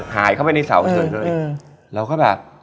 หายเข้าไปในเสาเฉยเลยเราก็แบบ